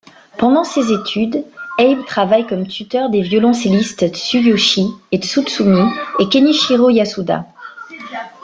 Pendant ses études, Abe travaille comme tuteur des violoncellistes Tsuyoshi Tsutsumi et Kenichirō Yasuda.